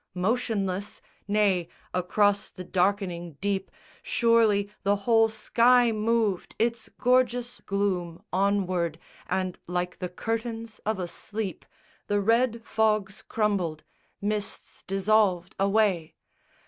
Motionless? Nay, across the darkening deep Surely the whole sky moved its gorgeous gloom Onward; and like the curtains of a sleep The red fogs crumbled, mists dissolved away!